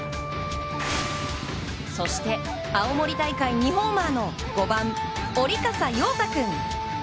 そして、青森大会２ホーマーの５番織笠陽多君。